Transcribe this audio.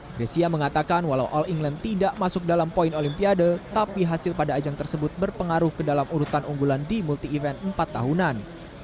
grecia mengatakan walau all england tidak masuk dalam poin olimpiade tapi hasil pada ajang tersebut berpengaruh ke dalam urutan unggulan di multi event empat tahunan